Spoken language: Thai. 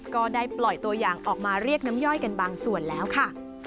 ก็ได้ปล่อยตัวอย่างออกมาเรียกน้ำย่อยกันบางส่วนแล้วค่ะ